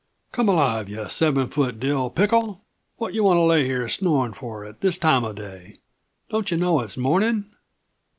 "Come alive, yuh seven foot Dill pickle! What yuh want to lay here snoring for at this time uh day? Don't yuh know it's morning?"